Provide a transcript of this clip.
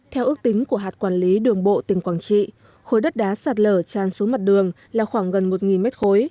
theo ước tính của hạt quản lý đường bộ tỉnh quảng trị khối đất đá sạt lở tràn xuống mặt đường là khoảng gần một m ba